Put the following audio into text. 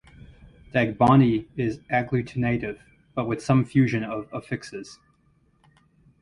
Dagbani is agglutinative, but with some fusion of affixes.